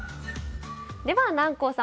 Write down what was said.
では南光さん